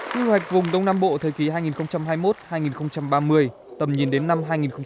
quy hoạch vùng đông nam bộ thời kỳ hai nghìn hai mươi một hai nghìn ba mươi tầm nhìn đến năm hai nghìn năm mươi